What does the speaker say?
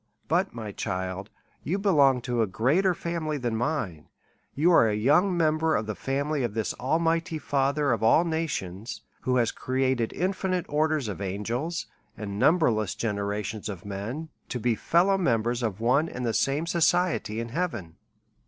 But, my child, you belong to a greater family than mine, you are a younger member of the family of this Almighty Father of all nations, who has created infi nite orders of angels and numberless generations of men, to be fellow members of one and the same soci ety in heaven.